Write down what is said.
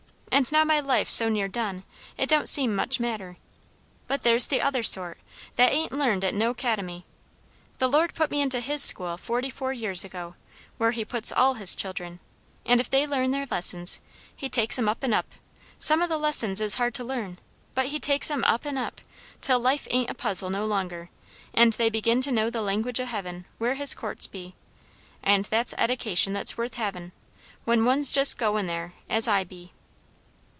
And now my life's so near done, it don't seem much matter. But there's the other sort, that ain't learned at no 'cademy. The Lord put me into his school forty four years ago where he puts all his children; and if they learn their lessons, he takes 'em up and up, some o' the lessons is hard to learn, but he takes 'em up and up; till life ain't a puzzle no longer, and they begin to know the language o' heaven, where his courts be. And that's edication that's worth havin', when one's just goin' there, as I be."